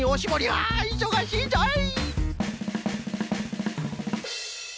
ああいそがしいぞい！